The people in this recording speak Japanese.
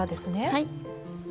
はい。